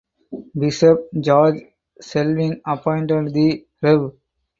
Bishop George Selwyn appointed the Rev.